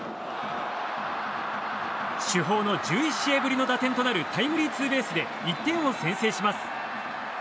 主砲の１１試合ぶりの打点となるタイムリーツーベースで１点を先制します。